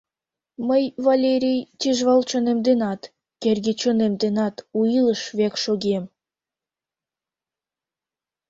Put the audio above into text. Мый, Валерий, тӱжвал чонем денат, кӧргӧ чонем денат у илыш век шогем....